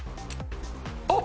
あっ！